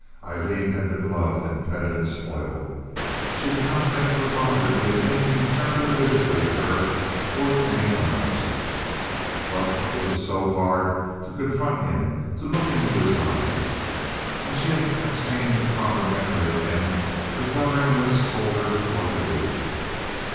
Aileen had been loved and petted and spoiled. She could not think of her father doing anything terrible physically to her or to any one else. But it was so hard to confront him—to look into his eyes. When she had attained a proper memory of him, her fluttering wits told her what to do.